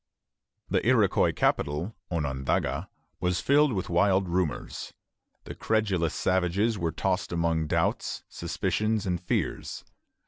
The Iroquois capital, Onondaga, was filled with wild rumors. The credulous savages were tossed among doubts, suspicions, and fears.